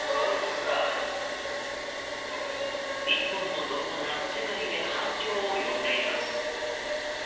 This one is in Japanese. １本の動画が世界で反響を呼んでいます。